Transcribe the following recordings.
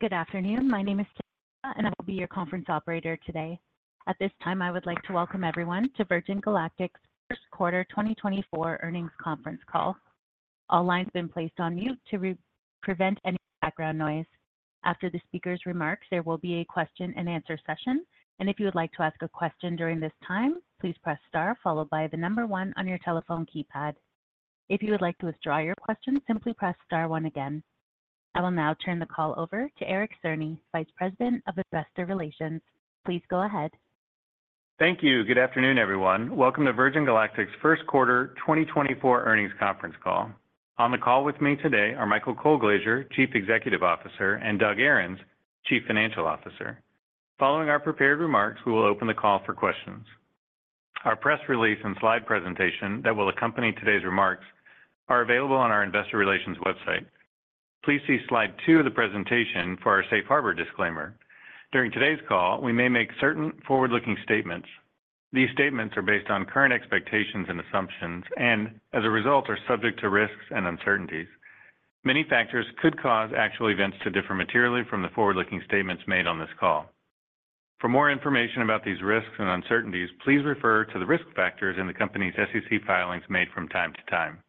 Good afternoon. My name is Chamath Palihapitiya, and I will be your conference operator today. At this time, I would like to welcome everyone to Virgin Galactic's first quarter 2024 earnings conference call. All lines have been placed on mute to prevent any background noise. After the speaker's remarks, there will be a question-and-answer session, and if you would like to ask a question during this time, please press star followed by the number one on your telephone keypad. If you would like to withdraw your question, simply press star one again. I will now turn the call over to Eric Cerny, Vice President of Investor Relations. Please go ahead. Thank you. Good afternoon, everyone. Welcome to Virgin Galactic's first quarter 2024 earnings conference call. On the call with me today are Michael Colglazier, Chief Executive Officer, and Doug Ahrens, Chief Financial Officer. Following our prepared remarks, we will open the call for questions. Our press release and slide presentation that will accompany today's remarks are available on our Investor Relations website. Please see slide two of the presentation for our Safe Harbor disclaimer. During today's call, we may make certain forward-looking statements. These statements are based on current expectations and assumptions and, as a result, are subject to risks and uncertainties. Many factors could cause actual events to differ materially from the forward-looking statements made on this call. For more information about these risks and uncertainties, please refer to the risk factors in the company's SEC filings made from time to time.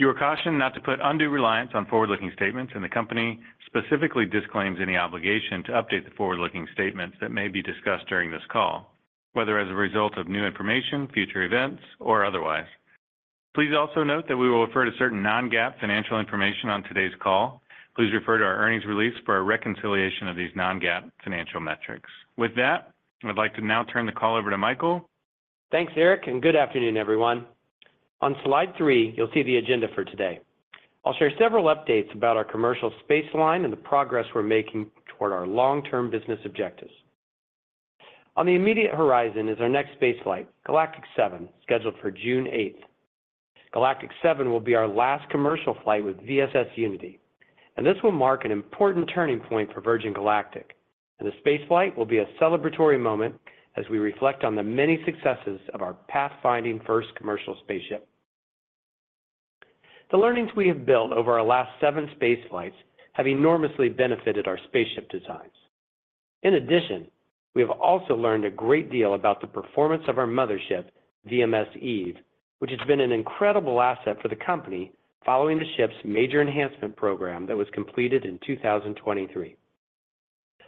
You are cautioned not to put undue reliance on forward-looking statements, and the company specifically disclaims any obligation to update the forward-looking statements that may be discussed during this call, whether as a result of new information, future events, or otherwise. Please also note that we will refer to certain non-GAAP financial information on today's call. Please refer to our earnings release for a reconciliation of these non-GAAP financial metrics. With that, I'd like to now turn the call over to Michael. Thanks, Eric, and good afternoon, everyone. On slide three, you'll see the agenda for today. I'll share several updates about our commercial spaceline and the progress we're making toward our long-term business objectives. On the immediate horizon is our next space flight, Galactic 07, scheduled for June 8th. Galactic 07 will be our last commercial flight with VSS Unity, and this will mark an important turning point for Virgin Galactic, and the space flight will be a celebratory moment as we reflect on the many successes of our pathfinding first commercial spaceship. The learnings we have built over our last seven space flights have enormously benefited our spaceship designs. In addition, we have also learned a great deal about the performance of our mothership, VMS Eve, which has been an incredible asset for the company following the ship's major enhancement program that was completed in 2023.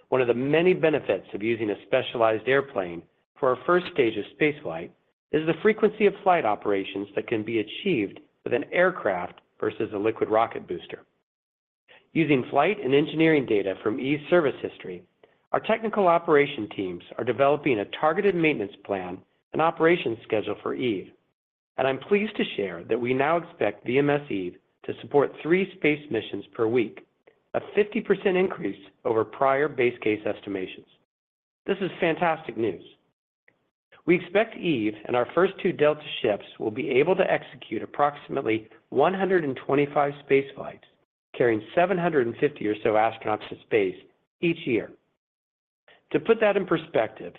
One of the many benefits of using a specialized airplane for our first stage of space flight is the frequency of flight operations that can be achieved with an aircraft versus a liquid rocket booster. Using flight and engineering data from Eve's service history, our technical operation teams are developing a targeted maintenance plan and operations schedule for Eve, and I'm pleased to share that we now expect VMS Eve to support three space missions per week, a 50% increase over prior base case estimations. This is fantastic news. We expect Eve and our first two Delta ships will be able to execute approximately 125 space flights carrying 750 or so astronauts to space each year. To put that in perspective,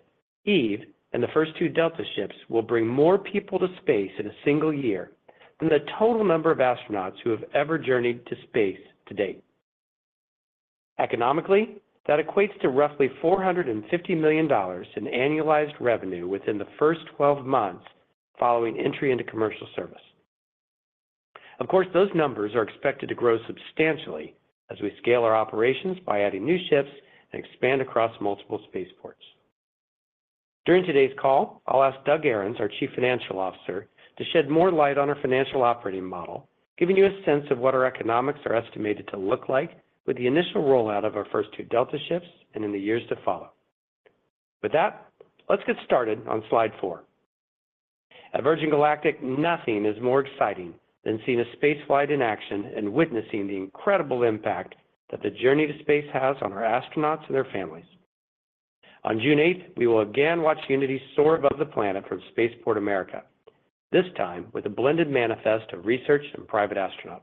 Eve and the first two Delta ships will bring more people to space in a single year than the total number of astronauts who have ever journeyed to space to date. Economically, that equates to roughly $450 million in annualized revenue within the first 12 months following entry into commercial service. Of course, those numbers are expected to grow substantially as we scale our operations by adding new ships and expand across multiple spaceports. During today's call, I'll ask Doug Ahrens, our Chief Financial Officer, to shed more light on our financial operating model, giving you a sense of what our economics are estimated to look like with the initial rollout of our first two Delta ships and in the years to follow. With that, let's get started on slide four. At Virgin Galactic, nothing is more exciting than seeing a space flight in action and witnessing the incredible impact that the journey to space has on our astronauts and their families. On June 8th, we will again watch Unity soar above the planet from Spaceport America, this time with a blended manifest of research and private astronauts.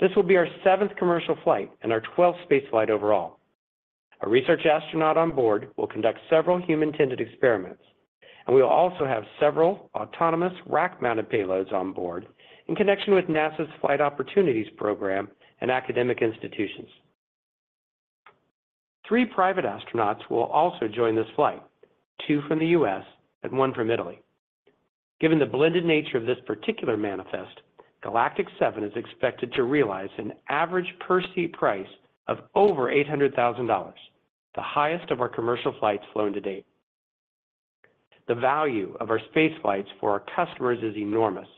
This will be our seventh commercial flight and our 12th space flight overall. A research astronaut on board will conduct several human-tended experiments, and we will also have several autonomous rack-mounted payloads on board in connection with NASA's Flight Opportunities Program and academic institutions. Three private astronauts will also join this flight, two from the U.S. and one from Italy. Given the blended nature of this particular manifest, Galactic 07 is expected to realize an average per-seat price of over $800,000, the highest of our commercial flights flown to date. The value of our space flights for our customers is enormous,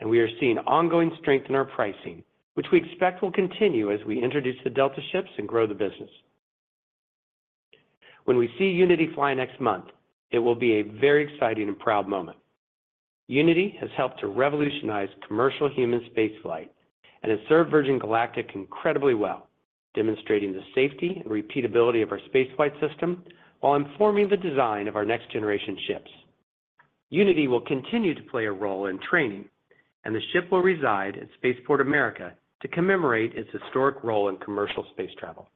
and we are seeing ongoing strength in our pricing, which we expect will continue as we introduce the Delta ships and grow the business. When we see Unity fly next month, it will be a very exciting and proud moment. Unity has helped to revolutionize commercial human space flight and has served Virgin Galactic incredibly well, demonstrating the safety and repeatability of our space flight system while informing the design of our next-generation ships. Unity will continue to play a role in training, and the ship will reside at Spaceport America to commemorate its historic role in commercial space travel.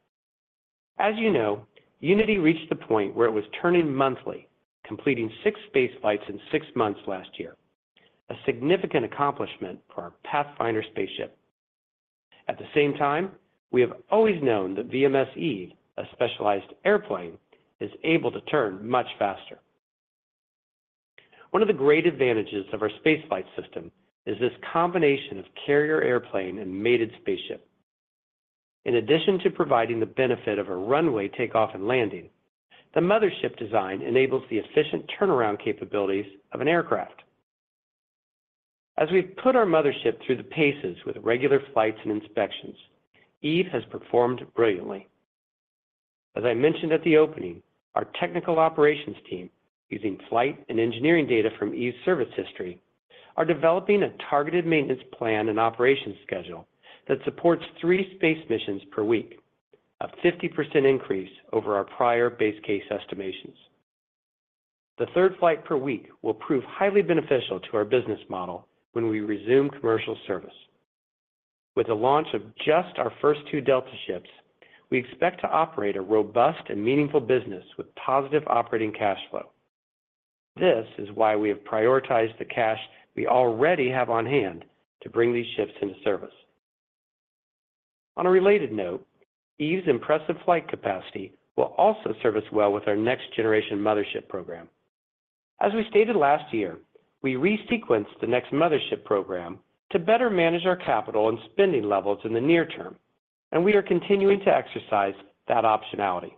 As you know, Unity reached the point where it was turning monthly, completing 6 space flights in 6 months last year, a significant accomplishment for our pathfinder spaceship. At the same time, we have always known that VMS Eve, a specialized airplane, is able to turn much faster. One of the great advantages of our space flight system is this combination of carrier airplane and mated spaceship. In addition to providing the benefit of a runway takeoff and landing, the mothership design enables the efficient turnaround capabilities of an aircraft. As we've put our mothership through the paces with regular flights and inspections, Eve has performed brilliantly. As I mentioned at the opening, our technical operations team, using flight and engineering data from Eve's service history, are developing a targeted maintenance plan and operations schedule that supports three space missions per week, a 50% increase over our prior base case estimations. The third flight per week will prove highly beneficial to our business model when we resume commercial service. With the launch of just our first two Delta ships, we expect to operate a robust and meaningful business with positive operating cash flow. This is why we have prioritized the cash we already have on hand to bring these ships into service. On a related note, Eve's impressive flight capacity will also serve well with our next-generation mothership program. As we stated last year, we resequenced the next mothership program to better manage our capital and spending levels in the near term, and we are continuing to exercise that optionality.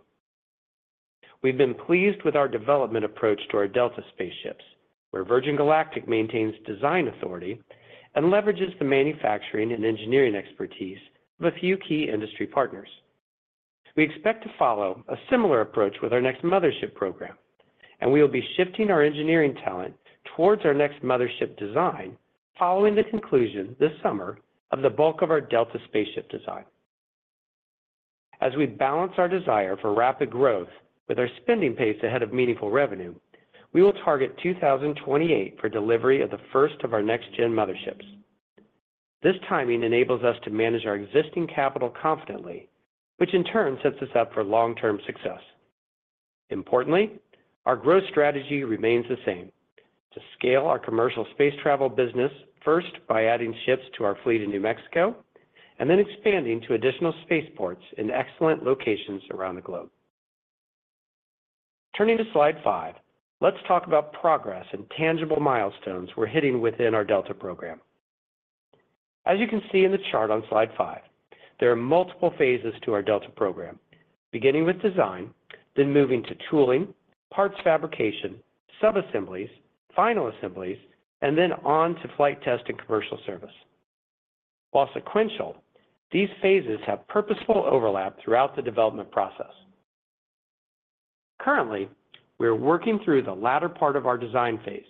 We've been pleased with our development approach to our Delta spaceships, where Virgin Galactic maintains design authority and leverages the manufacturing and engineering expertise of a few key industry partners. We expect to follow a similar approach with our next mothership program, and we will be shifting our engineering talent towards our next mothership design following the conclusion this summer of the bulk of our Delta spaceship design. As we balance our desire for rapid growth with our spending pace ahead of meaningful revenue, we will target 2028 for delivery of the first of our next-gen motherships. This timing enables us to manage our existing capital confidently, which in turn sets us up for long-term success. Importantly, our growth strategy remains the same: to scale our commercial space travel business first by adding ships to our fleet in New Mexico and then expanding to additional spaceports in excellent locations around the globe. Turning to slide 5, let's talk about progress and tangible milestones we're hitting within our Delta program. As you can see in the chart on slide five, there are multiple phases to our Delta program, beginning with design, then moving to tooling, parts fabrication, subassemblies, final assemblies, and then on to flight test and commercial service. While sequential, these phases have purposeful overlap throughout the development process. Currently, we're working through the latter part of our design phase,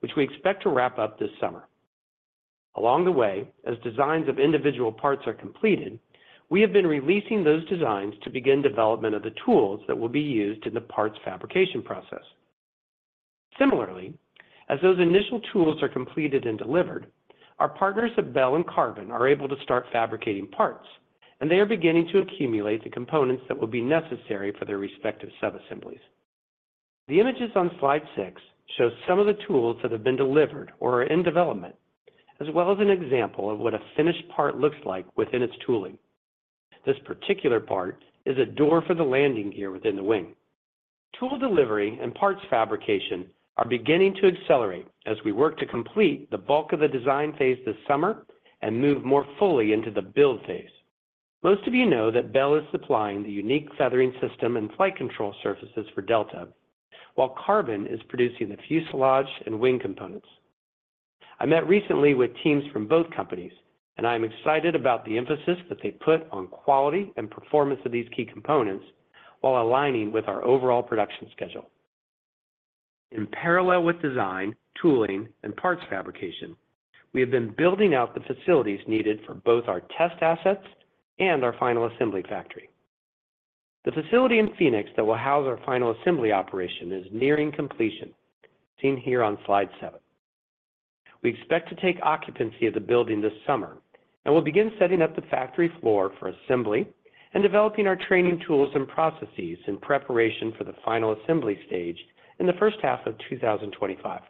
which we expect to wrap up this summer. Along the way, as designs of individual parts are completed, we have been releasing those designs to begin development of the tools that will be used in the parts fabrication process. Similarly, as those initial tools are completed and delivered, our partners at Bell & Qarbon are able to start fabricating parts, and they are beginning to accumulate the components that will be necessary for their respective subassemblies. The images on slide 6 show some of the tools that have been delivered or are in development, as well as an example of what a finished part looks like within its tooling. This particular part is a door for the landing gear within the wing. Tool delivery and parts fabrication are beginning to accelerate as we work to complete the bulk of the design phase this summer and move more fully into the build phase. Most of you know that Bell is supplying the unique feathering system and flight control surfaces for Delta, while Qarbon is producing the fuselage and wing components. I met recently with teams from both companies, and I am excited about the emphasis that they put on quality and performance of these key components while aligning with our overall production schedule. In parallel with design, tooling, and parts fabrication, we have been building out the facilities needed for both our test assets and our final assembly factory. The facility in Phoenix that will house our final assembly operation is nearing completion, seen here on slide 7. We expect to take occupancy of the building this summer and will begin setting up the factory floor for assembly and developing our training tools and processes in preparation for the final assembly stage in the first half of 2025.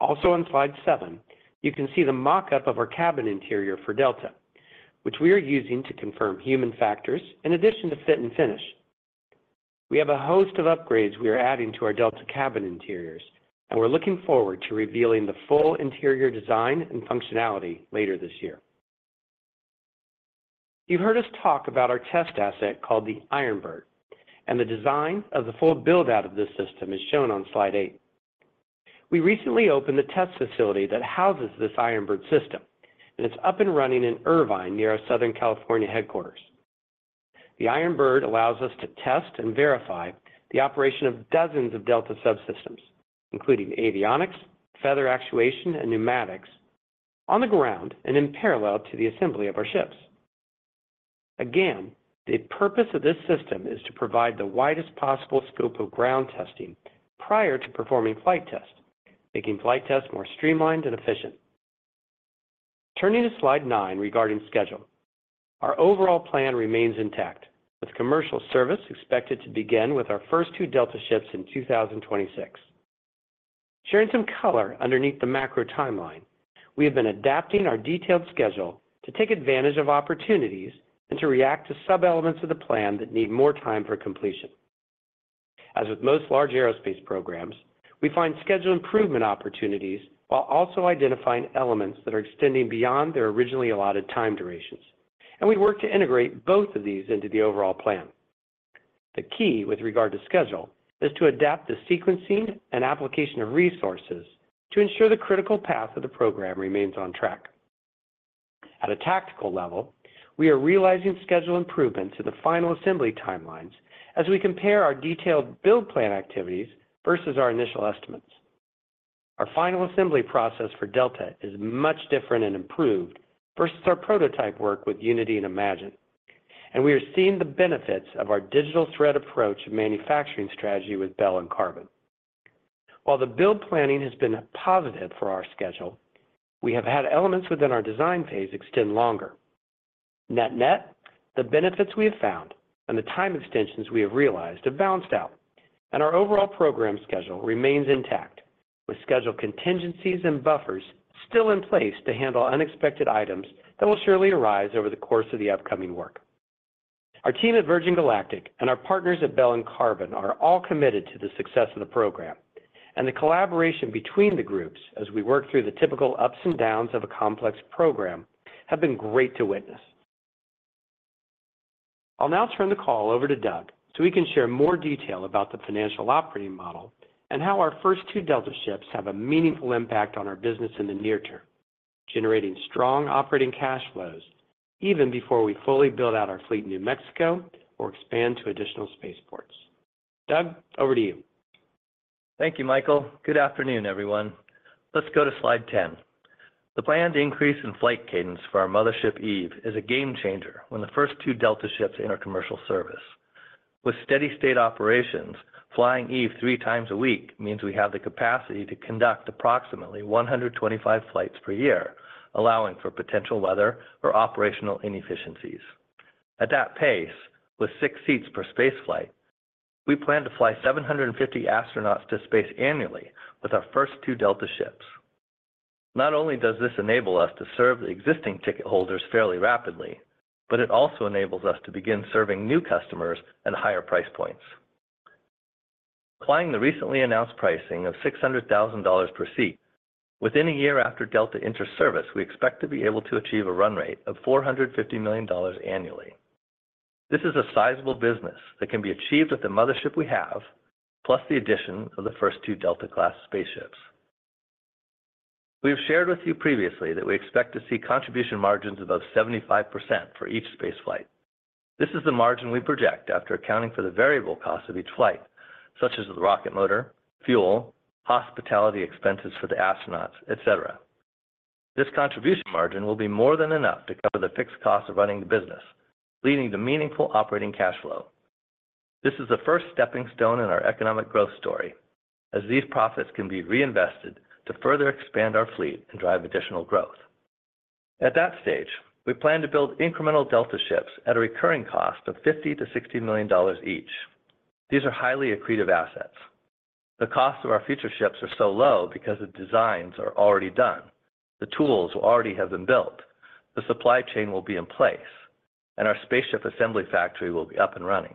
Also on slide 7, you can see the mockup of our cabin interior for Delta, which we are using to confirm human factors in addition to fit and finish. We have a host of upgrades we are adding to our Delta cabin interiors, and we're looking forward to revealing the full interior design and functionality later this year. You've heard us talk about our test asset called the Iron Bird, and the design of the full build-out of this system is shown on slide 8. We recently opened the test facility that houses this Iron Bird system, and it's up and running in Irvine near our Southern California headquarters. The Iron Bird allows us to test and verify the operation of dozens of Delta subsystems, including avionics, feather actuation, and pneumatics, on the ground and in parallel to the assembly of our ships. Again, the purpose of this system is to provide the widest possible scope of ground testing prior to performing flight tests, making flight tests more streamlined and efficient. Turning to slide 9 regarding schedule, our overall plan remains intact, with commercial service expected to begin with our first two Delta ships in 2026. Sharing some color underneath the macro timeline, we have been adapting our detailed schedule to take advantage of opportunities and to react to sub-elements of the plan that need more time for completion. As with most large aerospace programs, we find schedule improvement opportunities while also identifying elements that are extending beyond their originally allotted time durations, and we work to integrate both of these into the overall plan. The key with regard to schedule is to adapt the sequencing and application of resources to ensure the critical path of the program remains on track. At a tactical level, we are realizing schedule improvements in the final assembly timelines as we compare our detailed build plan activities versus our initial estimates. Our final assembly process for Delta is much different and improved versus our prototype work with Unity and Imagine, and we are seeing the benefits of our digital thread approach of manufacturing strategy with Bell & Qarbon. While the build planning has been positive for our schedule, we have had elements within our design phase extend longer. Net-net, the benefits we have found and the time extensions we have realized have balanced out, and our overall program schedule remains intact, with schedule contingencies and buffers still in place to handle unexpected items that will surely arise over the course of the upcoming work. Our team at Virgin Galactic and our partners at Bell & Qarbon are all committed to the success of the program, and the collaboration between the groups as we work through the typical ups and downs of a complex program have been great to witness. I'll now turn the call over to Doug so he can share more detail about the financial operating model and how our first two Delta ships have a meaningful impact on our business in the near term, generating strong operating cash flows even before we fully build out our fleet in New Mexico or expand to additional spaceports. Doug, over to you. Thank you, Michael. Good afternoon, everyone. Let's go to slide 10. The plan to increase in flight cadence for our mothership Eve is a game-changer when the first two Delta ships enter commercial service. With steady-state operations, flying Eve three times a week means we have the capacity to conduct approximately 125 flights per year, allowing for potential weather or operational inefficiencies. At that pace, with six seats per space flight, we plan to fly 750 astronauts to space annually with our first two Delta ships. Not only does this enable us to serve the existing ticket holders fairly rapidly, but it also enables us to begin serving new customers at higher price points. Applying the recently announced pricing of $600,000 per seat, within a year after Delta enters service, we expect to be able to achieve a run rate of $450 million annually. This is a sizable business that can be achieved with the mothership we have, plus the addition of the first two Delta-class spaceships. We have shared with you previously that we expect to see contribution margins above 75% for each space flight. This is the margin we project after accounting for the variable costs of each flight, such as the rocket motor, fuel, hospitality expenses for the astronauts, et cetera. This contribution margin will be more than enough to cover the fixed costs of running the business, leading to meaningful operating cash flow. This is the first stepping stone in our economic growth story, as these profits can be reinvested to further expand our fleet and drive additional growth. At that stage, we plan to build incremental Delta ships at a recurring cost of $50 million-$60 million each. These are highly accretive assets. The costs of our future ships are so low because the designs are already done, the tools already have been built, the supply chain will be in place, and our spaceship assembly factory will be up and running.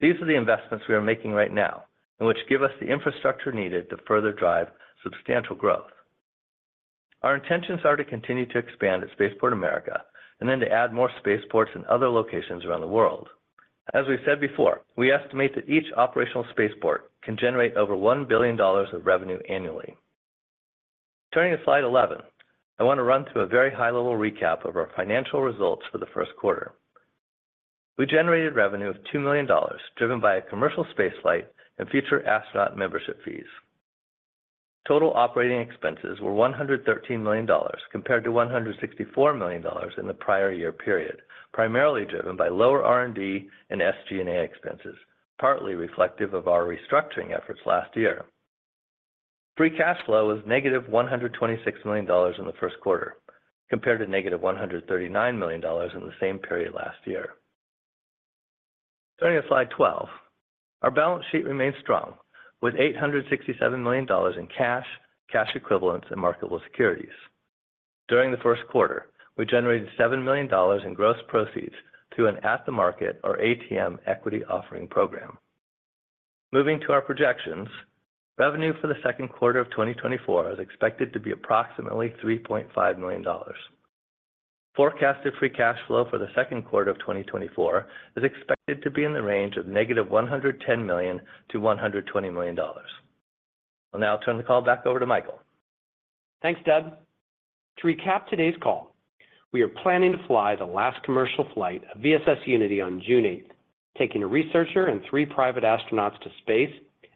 These are the investments we are making right now and which give us the infrastructure needed to further drive substantial growth. Our intentions are to continue to expand at Spaceport America and then to add more spaceports in other locations around the world. As we said before, we estimate that each operational spaceport can generate over $1 billion of revenue annually. Turning to slide 11, I want to run through a very high-level recap of our financial results for the first quarter. We generated revenue of $2 million driven by a commercial space flight and future astronaut membership fees. Total operating expenses were $113 million compared to $164 million in the prior year period, primarily driven by lower R&D and SG&A expenses, partly reflective of our restructuring efforts last year. Free cash flow was -$126 million in the first quarter, compared to -$139 million in the same period last year. Turning to slide 12, our balance sheet remains strong, with $867 million in cash, cash equivalents, and marketable securities. During the first quarter, we generated $7 million in gross proceeds through an at-the-market, or ATM, equity offering program. Moving to our projections, revenue for the second quarter of 2024 is expected to be approximately $3.5 million. Forecasted free cash flow for the second quarter of 2024 is expected to be in the range of -$110 million-$120 million. I'll now turn the call back over to Michael. Thanks, Doug. To recap today's call, we are planning to fly the last commercial flight of VSS Unity on June 8th, taking a researcher and three private astronauts to space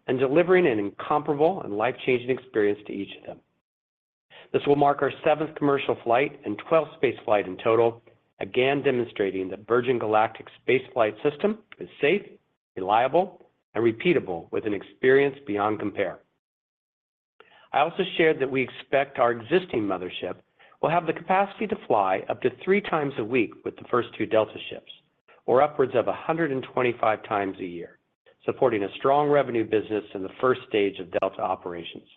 and delivering an incomparable and life-changing experience to each of them. This will mark our seventh commercial flight and twelfth space flight in total, again demonstrating that Virgin Galactic's space flight system is safe, reliable, and repeatable with an experience beyond compare. I also shared that we expect our existing mothership will have the capacity to fly up to three times a week with the first 2 Delta ships, or upwards of 125 times a year, supporting a strong revenue business in the first stage of Delta operations.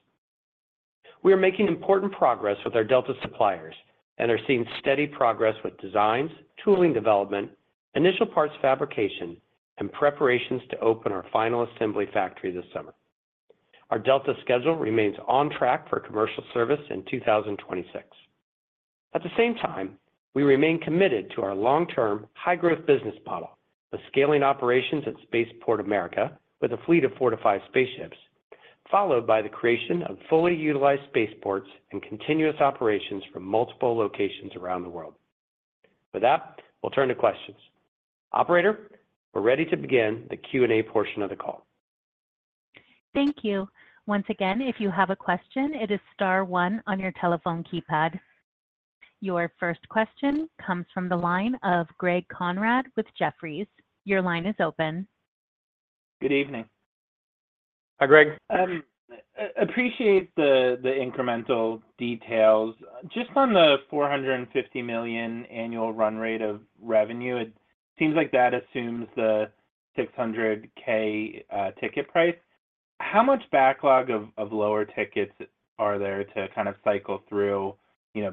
We are making important progress with our Delta suppliers and are seeing steady progress with designs, tooling development, initial parts fabrication, and preparations to open our final assembly factory this summer. Our Delta schedule remains on track for commercial service in 2026. At the same time, we remain committed to our long-term, high-growth business model of scaling operations at Spaceport America with a fleet of 4-5 spaceships, followed by the creation of fully utilized spaceports and continuous operations from multiple locations around the world. With that, we'll turn to questions. Operator, we're ready to begin the Q&A portion of the call. Thank you. Once again, if you have a question, it is star one on your telephone keypad. Your first question comes from the line of Greg Konrad with Jefferies. Your line is open. Good evening. Hi, Greg. Appreciate the incremental details. Just on the $450 million annual run rate of revenue, it seems like that assumes the $600,000 ticket price. How much backlog of lower tickets are there to kind of cycle through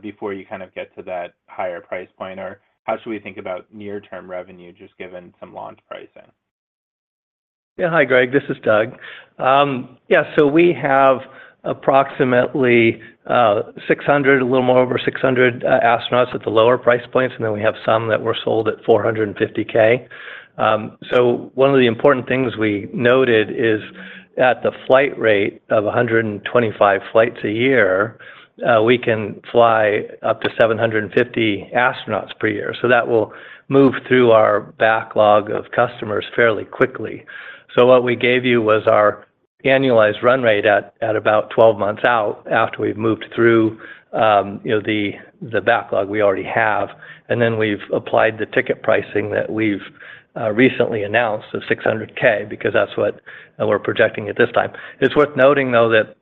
before you kind of get to that higher price point, or how should we think about near-term revenue just given some launch pricing? Yeah, hi, Greg. This is Doug. Yeah, so we have approximately 600, a little more over 600, astronauts at the lower price points, and then we have some that were sold at $450,000. So one of the important things we noted is at the flight rate of 125 flights a year, we can fly up to 750 astronauts per year, so that will move through our backlog of customers fairly quickly. So what we gave you was our annualized run rate at about 12 months out after we've moved through the backlog we already have, and then we've applied the ticket pricing that we've recently announced of $600,000 because that's what we're projecting at this time. It's worth noting, though, that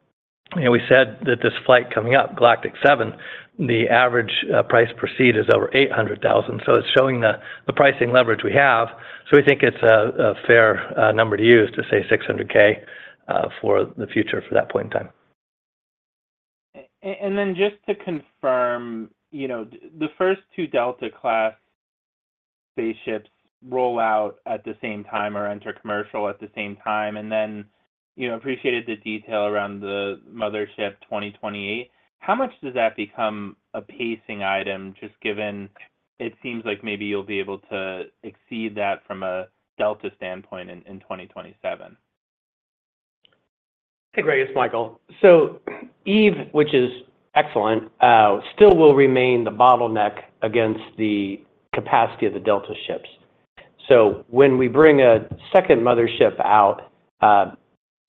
we said that this flight coming up, Galactic 07, the average price per seat is over $800,000, so it's showing the pricing leverage we have. So we think it's a fair number to use to say $600,000 for the future for that point in time. And then just to confirm, the first two Delta Class spaceships roll out at the same time or enter commercial at the same time, and then appreciated the detail around the mothership 2028. How much does that become a pacing item just given it seems like maybe you'll be able to exceed that from a Delta standpoint in 2027? Hey, Greg. It's Michael. So Eve, which is excellent, still will remain the bottleneck against the capacity of the Delta ships. So when we bring a second mothership out,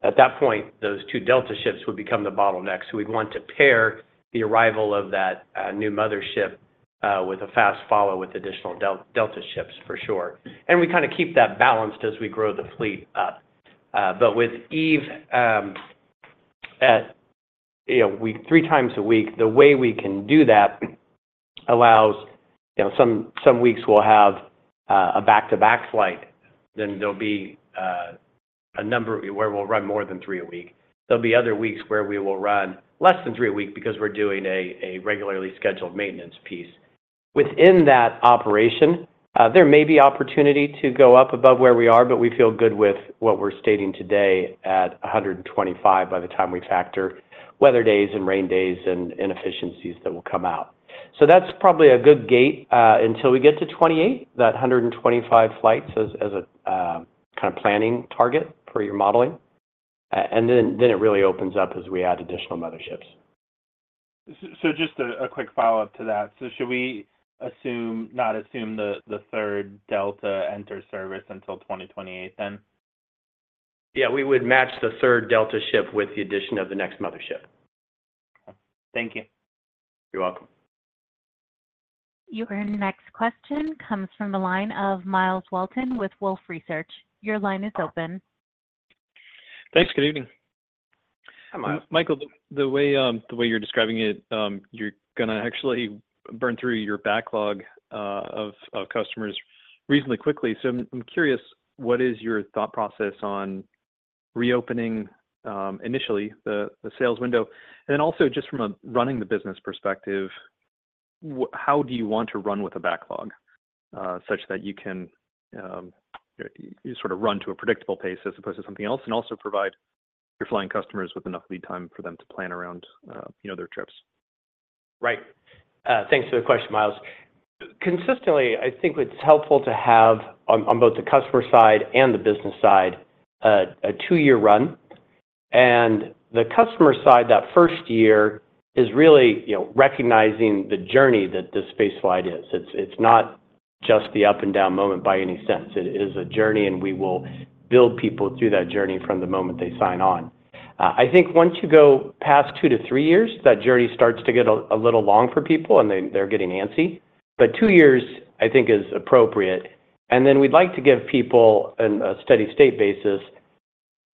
at that point, those two Delta ships would become the bottleneck, so we'd want to pair the arrival of that new mothership with a fast follow with additional Delta ships, for sure. And we kind of keep that balanced as we grow the fleet up. But with Eve at 3 times a week, the way we can do that allows some weeks we'll have a back-to-back flight, then there'll be a number where we'll run more than three a week. There'll be other weeks where we will run less than three a week because we're doing a regularly scheduled maintenance piece. Within that operation, there may be opportunity to go up above where we are, but we feel good with what we're stating today at 125 by the time we factor weather days and rain days and inefficiencies that will come out. So that's probably a good gate until we get to 2028, that 125 flights, as a kind of planning target for your modeling. And then it really opens up as we add additional motherships. So just a quick follow-up to that. So should we not assume the third Delta enter service until 2028 then? Yeah, we would match the third Delta ship with the addition of the next mothership. Thank you. You're welcome. Your next question comes from the line of Myles Walton with Wolfe Research. Your line is open. Thanks. Good evening. Hi, Miles. Michael, the way you're describing it, you're going to actually burn through your backlog of customers reasonably quickly. So I'm curious, what is your thought process on reopening initially the sales window? And then also, just from a running the business perspective, how do you want to run with a backlog such that you can sort of run to a predictable pace as opposed to something else and also provide your flying customers with enough lead time for them to plan around their trips? Right. Thanks for the question, Myles. Consistently, I think it's helpful to have on both the customer side and the business side a two-year run. The customer side, that first year, is really recognizing the journey that this space flight is. It's not just the up-and-down moment by any sense. It is a journey, and we will build people through that journey from the moment they sign on. I think once you go past two to three years, that journey starts to get a little long for people, and they're getting antsy. Two years, I think, is appropriate. Then we'd like to give people, on a steady-state basis,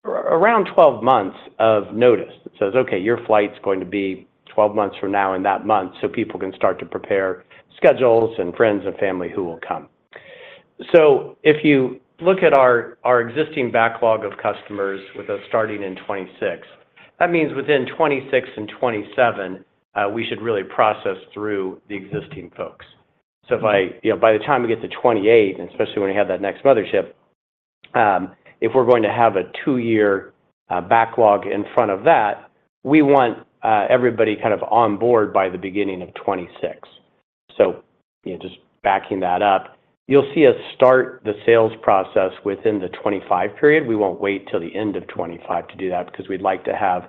around 12 months of notice that says, "Okay, your flight's going to be 12 months from now in that month," so people can start to prepare schedules and friends and family who will come. So if you look at our existing backlog of customers with us starting in 2026, that means within 2026 and 2027, we should really process through the existing folks. So by the time we get to 2028, and especially when we have that next mothership, if we're going to have a two-year backlog in front of that, we want everybody kind of on board by the beginning of 2026. So just backing that up, you'll see us start the sales process within the 2025 period. We won't wait till the end of 2025 to do that because we'd like to have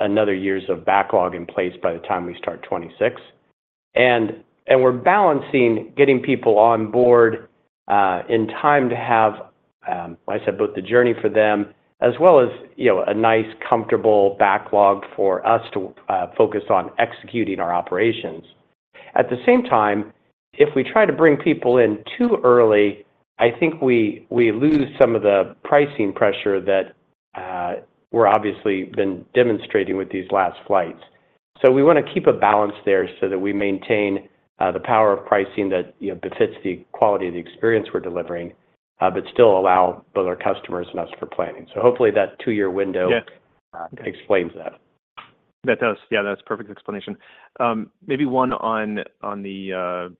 another year's of backlog in place by the time we start 2026. And we're balancing getting people on board in time to have, like I said, both the journey for them as well as a nice, comfortable backlog for us to focus on executing our operations. At the same time, if we try to bring people in too early, I think we lose some of the pricing pressure that we're obviously been demonstrating with these last flights. So we want to keep a balance there so that we maintain the power of pricing that befits the quality of the experience we're delivering but still allow both our customers and us for planning. So hopefully, that two-year window explains that. That does. Yeah, that's a perfect explanation. Maybe one on the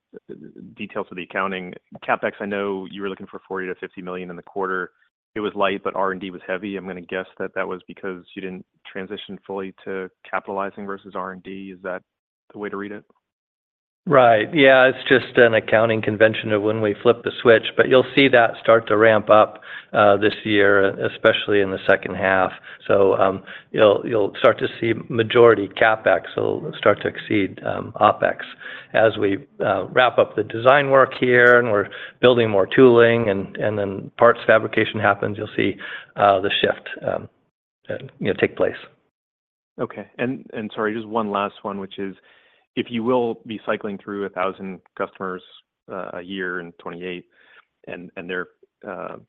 details of the accounting. CapEx, I know you were looking for $40 million-$50 million in the quarter. It was light, but R&D was heavy. I'm going to guess that that was because you didn't transition fully to capitalizing versus R&D. Is that the way to read it? Right. Yeah, it's just an accounting convention of when we flip the switch. But you'll see that start to ramp up this year, especially in the second half. So you'll start to see majority CapEx will start to exceed OpEx as we wrap up the design work here and we're building more tooling and then parts fabrication happens, you'll see the shift take place. Okay. And sorry, just one last one, which is, if you will be cycling through 1,000 customers a year in 2028 and their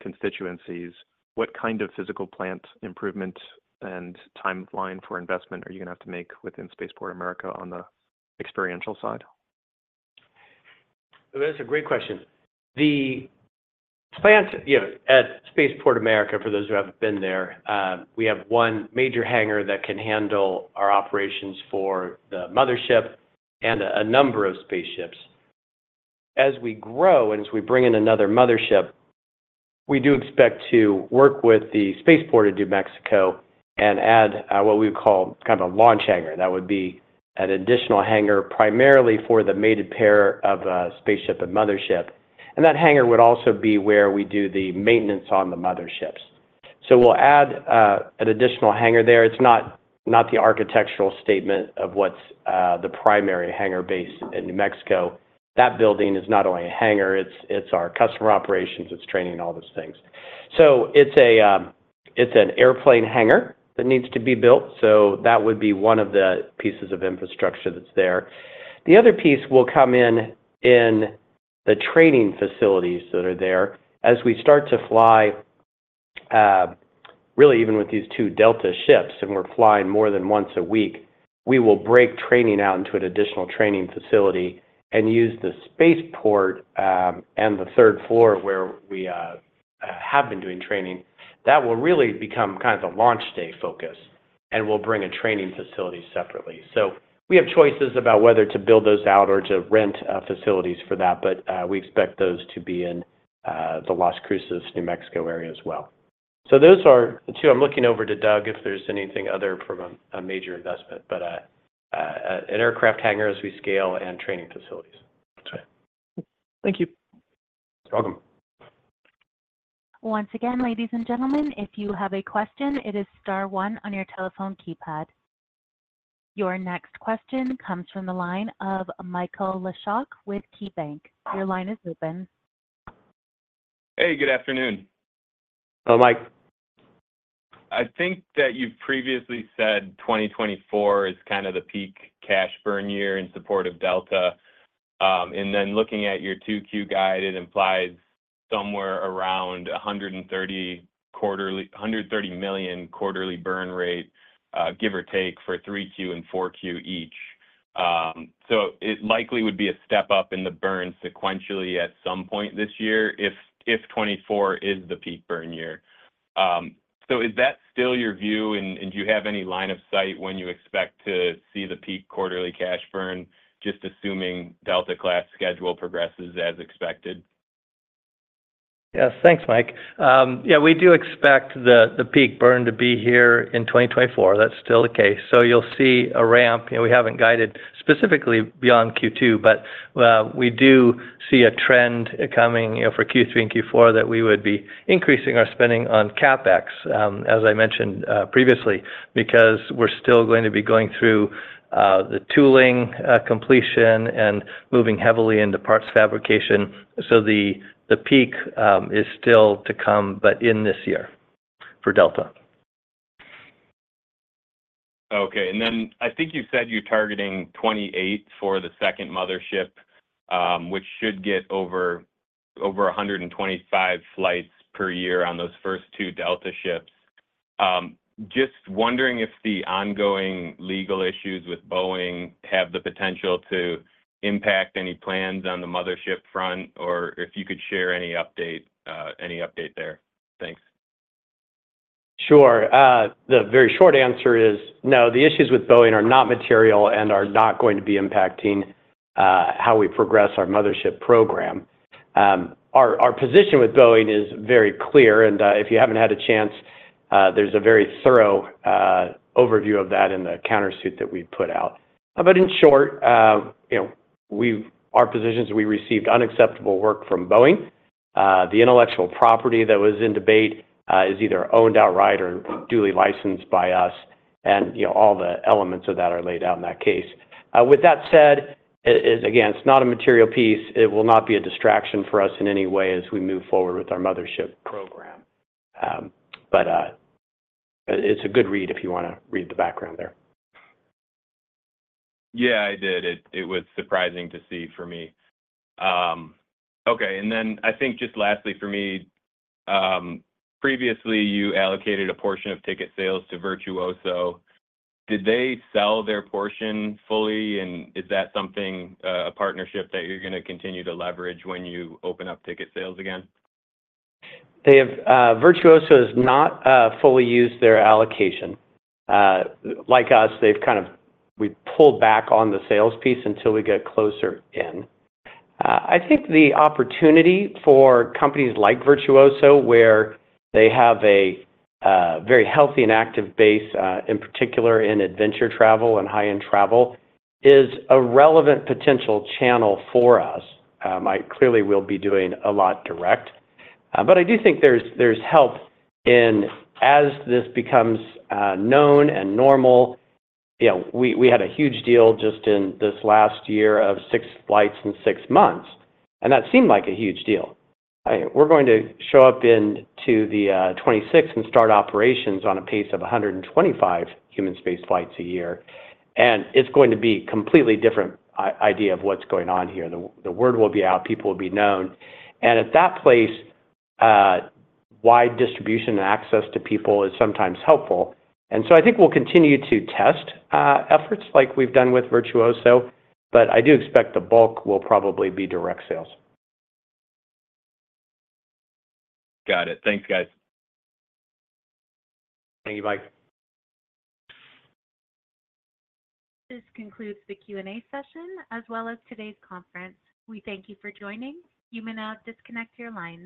constituencies, what kind of physical plant improvement and timeline for investment are you going to have to make within Spaceport America on the experiential side? That's a great question. The plant at Spaceport America, for those who haven't been there, we have one major hangar that can handle our operations for the mothership and a number of spaceships. As we grow and as we bring in another mothership, we do expect to work with the Spaceport America in New Mexico and add what we would call kind of a launch hangar. That would be an additional hangar primarily for the mated pair of spaceship and mothership. And that hangar would also be where we do the maintenance on the motherships. So we'll add an additional hangar there. It's not the architectural statement of what's the primary hangar base in New Mexico. That building is not only a hangar. It's our customer operations. It's training and all those things. So it's an airplane hangar that needs to be built. So that would be one of the pieces of infrastructure that's there. The other piece will come in in the training facilities that are there. As we start to fly, really, even with these two Delta ships and we're flying more than once a week, we will break training out into an additional training facility and use the spaceport and the third floor where we have been doing training. That will really become kind of the launch day focus and we'll bring a training facility separately. So we have choices about whether to build those out or to rent facilities for that, but we expect those to be in the Las Cruces, New Mexico area as well. So those are the two. I'm looking over to Doug if there's anything other from a major investment, but an aircraft hangar as we scale and training facilities. That's it. Thank you. You're welcome. Once again, ladies and gentlemen, if you have a question, it is star one on your telephone keypad. Your next question comes from the line of Michael Leshock with KeyBanc. Your line is open. Hey, good afternoon. Hello, Mike. I think that you've previously said 2024 is kind of the peak cash burn year in support of Delta. And then looking at your 2Q guide, it implies somewhere around $130 million quarterly burn rate, give or take, for 3Q and 4Q each. So it likely would be a step up in the burn sequentially at some point this year if 2024 is the peak burn year. So is that still your view, and do you have any line of sight when you expect to see the peak quarterly cash burn, just assuming Delta-class schedule progresses as expected? Yes, thanks, Mike. Yeah, we do expect the peak burn to be here in 2024. That's still the case. So you'll see a ramp. We haven't guided specifically beyond Q2, but we do see a trend coming for Q3 and Q4 that we would be increasing our spending on CapEx, as I mentioned previously, because we're still going to be going through the tooling completion and moving heavily into parts fabrication. So the peak is still to come, but in this year for Delta. Okay. And then I think you said you're targeting 2028 for the second mothership, which should get over 125 flights per year on those first two Delta ships. Just wondering if the ongoing legal issues with Boeing have the potential to impact any plans on the mothership front or if you could share any update there. Thanks. Sure. The very short answer is no. The issues with Boeing are not material and are not going to be impacting how we progress our mothership program. Our position with Boeing is very clear, and if you haven't had a chance, there's a very thorough overview of that in the countersuit that we put out. But in short, our position is we received unacceptable work from Boeing. The intellectual property that was in debate is either owned outright or duly licensed by us, and all the elements of that are laid out in that case. With that said, again, it's not a material piece. It will not be a distraction for us in any way as we move forward with our mothership program. But it's a good read if you want to read the background there. Yeah, I did. It was surprising to see for me. Okay. And then I think just lastly for me, previously, you allocated a portion of ticket sales to Virtuoso. Did they sell their portion fully, and is that something, a partnership, that you're going to continue to leverage when you open up ticket sales again? Virtuoso has not fully used their allocation. Like us, we've pulled back on the sales piece until we get closer in. I think the opportunity for companies like Virtuoso, where they have a very healthy and active base, in particular in adventure travel and high-end travel, is a relevant potential channel for us. Clearly, we'll be doing a lot direct. But I do think there's help in as this becomes known and normal. We had a huge deal just in this last year of six flights in six months, and that seemed like a huge deal. We're going to show up into the 2026 and start operations on a pace of 125 human space flights a year. It's going to be a completely different idea of what's going on here. The word will be out. People will be known. And at that place, wide distribution and access to people is sometimes helpful. And so I think we'll continue to test efforts like we've done with Virtuoso, but I do expect the bulk will probably be direct sales. Got it. Thanks, guys. Thank you, Mike. This concludes the Q&A session as well as today's conference. We thank you for joining. You may now disconnect your line.